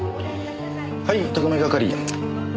はい特命係。